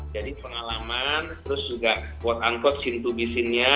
jadi pengalaman terus juga buat angkot sin tubi sinnya